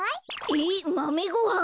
えっマメごはん？